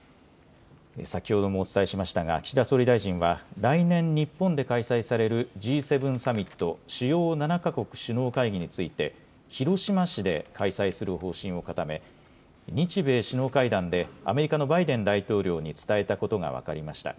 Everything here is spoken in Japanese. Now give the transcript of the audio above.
先ほどもお伝えしましたが、岸田総理大臣は、来年、日本で開催されるＧ７サミット・主要７か国首脳会議について、広島市で開催する方針を固め、日米首脳会談で、アメリカのバイデン大統領に伝えたことが分かりました。